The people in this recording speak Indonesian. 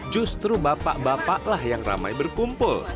justru bapak bapaklah yang ramai berkumpul